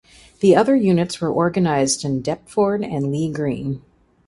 The other units were organised in Deptford and Lee Green.